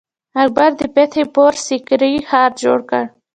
اکبر د فتح پور سیکري ښار جوړ کړ.